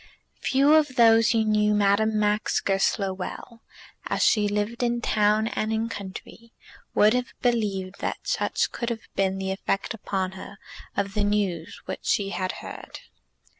Few of those who knew Madame Max Goesler well, as she lived in town and in country, would have believed that such could have been the effect upon her of the news which she had heard.